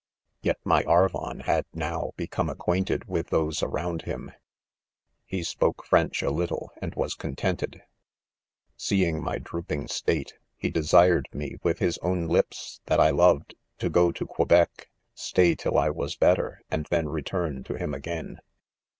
6 Yet my Arvon had, now, become acquaint^ _€,d with those around him j he spoke French a liitfej and was eontented* Seeing my drooD THE CONFESSIONS. 135 ing state, lie desired me, witk ills own lips 5 that I loved, to go to Quebec, stay till I was "better, and then return to him again.